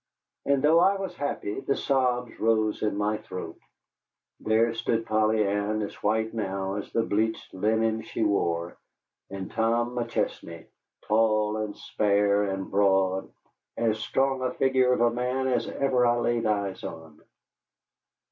And though I was happy, the sobs rose in my throat. There stood Polly Ann, as white now as the bleached linen she wore, and Tom McChesney, tall and spare and broad, as strong a figure of a man as ever I laid eyes on.